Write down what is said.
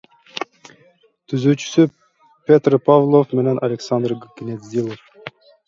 Түзүүчүсү — Петр Павлов менен Александр Гнездилов.